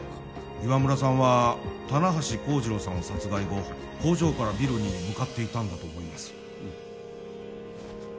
岩村さんは棚橋幸次郎さんを殺害後工場からビルに向かっていたんだと思います